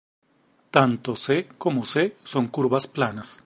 Tanto" C" como "C" son curvas planas.